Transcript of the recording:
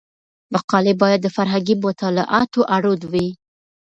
مقالې باید د فرهنګي مطالعاتو اړوند وي.